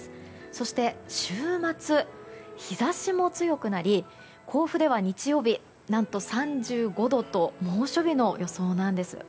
そして、週末日差しも強くなり甲府では日曜日、何と３５度と猛暑日の予想なんです。